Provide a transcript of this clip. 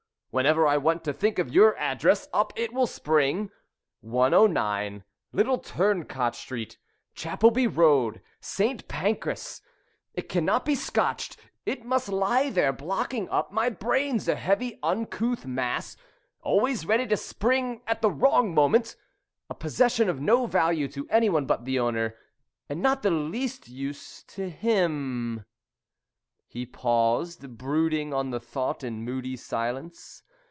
Whenever I want to think of your address, up it will spring, '109, Little Turncot Street, Chapelby Road, St. Pancras.' It cannot be scotched it must lie there blocking up my brains, a heavy, uncouth mass, always ready to spring at the wrong moment; a possession of no value to anyone but the owner, and not the least use to him." He paused, brooding on the thought in moody silence.